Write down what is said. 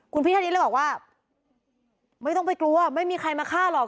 คุณพี่ท่านนี้เลยบอกว่าไม่ต้องไปกลัวไม่มีใครมาฆ่าหรอก